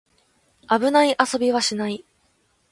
危ない遊びはしない